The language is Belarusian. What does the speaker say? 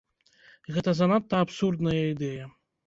Гэта занадта абсурдная ідэя.